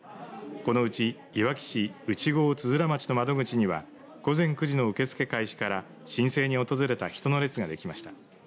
このうちいわき市内郷綴町の窓口には午前９時の受け付け開始から申請に訪れた人の列が出来ました。